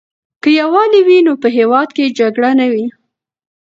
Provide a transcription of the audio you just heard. که یووالی وي نو په هېواد کې جګړه نه وي.